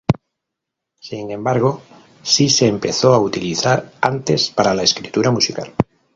Sin embargo si se empezó a utilizar antes para la escritura musical.